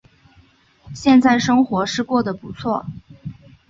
现在生活是过得不错